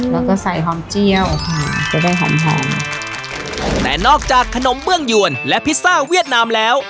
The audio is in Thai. แล้วก็ใส่หอมเจียวค่ะจะได้หอมหอมแต่นอกจากขนมเบื้องหยวนและพิซซ่าเวียดนามแล้ว